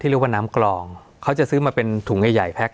เรียกว่าน้ำกรองเขาจะซื้อมาเป็นถุงใหญ่ใหญ่แพ็ค